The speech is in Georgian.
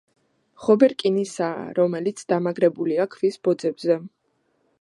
ღობე რკინისაა, რომელიც დამაგრებულია ქვის ბოძებზე.